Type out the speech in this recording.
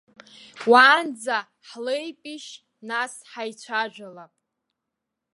Уаанӡа ҳлеипишь, нас ҳаицәажәалап.